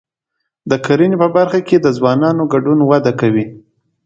د کرنې په برخه کې د ځوانانو ګډون وده کوي.